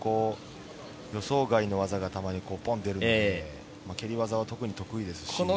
予想外の技がたまにぽんとでるので蹴り技は特に得意ですし。